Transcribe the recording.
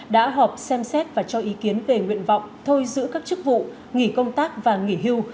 đã họp xem xét và cho ý kiến về nguyện vọng thôi giữ các chức vụ nghỉ công tác và nghỉ hưu